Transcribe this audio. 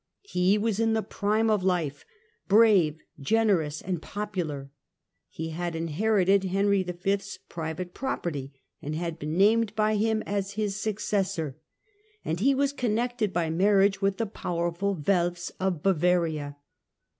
He was in the prime of life, brave, generous and popular. He had inherited Henry V.'s private property and had been named by him as his successor, and he was connected by marriage with the powerful Welfs of Bavaria.